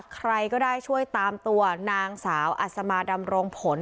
ใครก็ได้ช่วยตามตัวนางสาวอัศมาดำรงผล